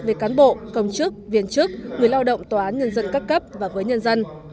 về cán bộ công chức viên chức người lao động tòa án nhân dân các cấp và với nhân dân